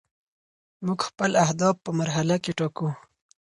موږ خپل اهداف په مرحله کې ټاکو.